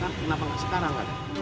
kenapa enggak sekarang